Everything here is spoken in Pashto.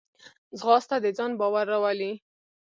ځغاسته د ځان باور راولي